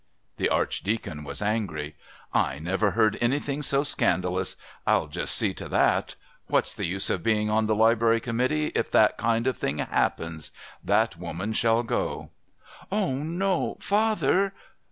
The Archdeacon was angry. "I never heard anything so scandalous. I'll just see to that. What's the use of being on the Library Committee if that kind of thing happens? That woman shall go." "Oh no! father!..."